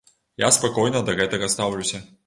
Я спакойна да гэтага стаўлюся.